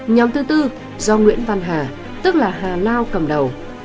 nhóm thứ tư do nguyễn văn hà tức là hà lao cầm đầu